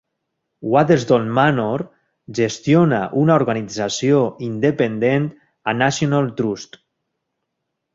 Waddesdon Manor gestiona una organització independent a National Trust.